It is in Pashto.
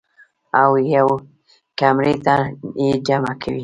او يوې کمرې ته ئې جمع کوي -